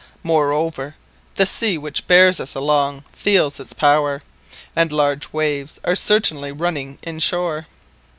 Moreover, the sea which bears us along feels its power, and large waves are certainly running in shore.